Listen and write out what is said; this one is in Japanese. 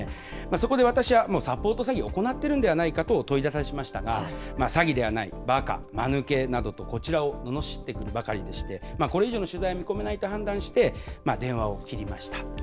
そこで私はサポート詐欺、行ってるんではないかと問いただしましたが、詐欺ではない、ばか、まぬけなどとこちらをののしってくるばかりでして、これ以上の取材は見込めないと判断して、電話を切りました。